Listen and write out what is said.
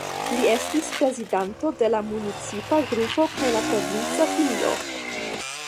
Li estis prezidanto de la municipa grupo kaj la provinca filio.